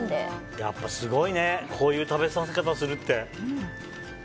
やっぱりすごいねこういう食べさせ方をするって。